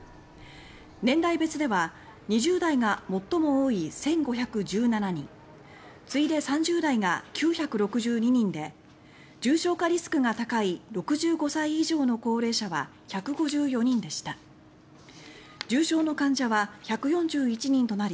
年代別では２０代が最も多い１５１７人次いで３０代が９６２人で重症化リスクが高い６５歳以上の高齢者は１５４人でした。